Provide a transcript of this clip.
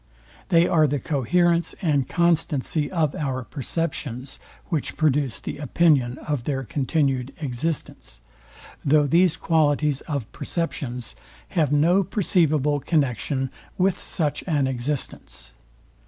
They are the coherence and constancy of our perceptions, which produce the opinion of their continued existence; though these qualities of perceptions have no perceivable connexion with such an existence.